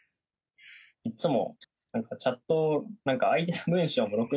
いつも。